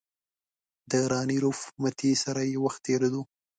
د راني روپ متي سره یې وخت تېرېدو.